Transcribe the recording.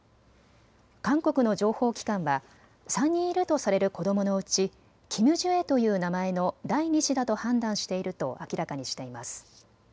韓国の情報機関は３人いるとされる子どものうち、キム・ジュエという名前の第２子だと判断していると明らかにしています。